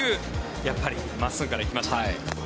やっぱり真っすぐから行きました。